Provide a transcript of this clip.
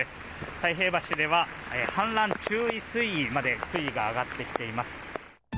太平橋では氾濫注意水位まで水位が上がってきています。